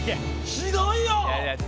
ひどいよ！